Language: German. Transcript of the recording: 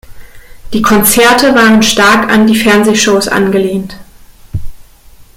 Die Konzerte waren stark an die Fernsehshows angelehnt.